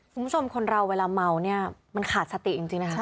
คุณผู้ชมคนเราเวลาเมาเนี่ยมันขาดสติจริงนะคะ